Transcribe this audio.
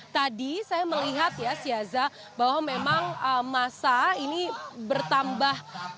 tadi saya melihat ya siaza bahwa memang masa ini bertambah